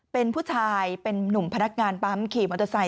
เป็นผู้ชายเป็นนุ่มพนักงานปั๊มขี่มอเตอร์ไซค